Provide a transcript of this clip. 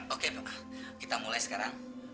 oke kita mulai sekarang